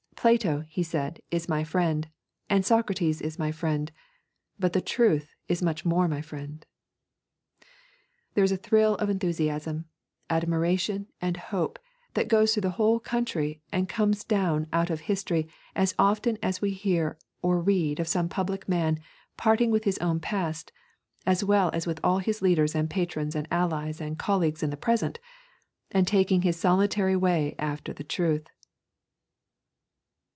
'Plato,' he said, 'is my friend, and Socrates is my friend, but the truth is much more my friend.' There is a thrill of enthusiasm, admiration and hope that goes through the whole country and comes down out of history as often as we hear or read of some public man parting with all his own past, as well as with all his leaders and patrons and allies and colleagues in the present, and taking his solitary way out after the truth.